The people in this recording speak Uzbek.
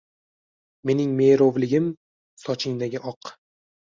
Mening merovligim – sochingdagi oq.